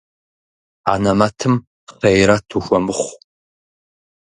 Анэмэтым хъейрэт ухуэмыхъу.